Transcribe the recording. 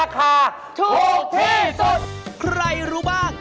ใครรู้บ้าง